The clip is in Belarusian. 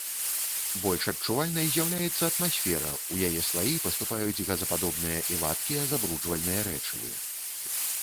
Больш адчувальнай з'яўляецца атмасфера, у яе слаі паступаюць газападобныя і вадкія забруджвальныя рэчывы.